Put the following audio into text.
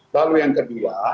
lalu yang kedua